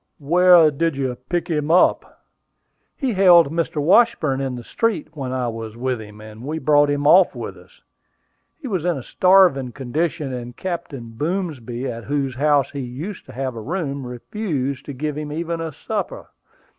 "Where did you pick him up?" "He hailed Mr. Washburn in the street when I was with him, and we brought him off with us. He was in a starving condition, and Captain Boomsby, at whose house he used to have a room, refused to give him even a supper.